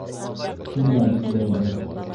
Шунда бикләйбеҙ!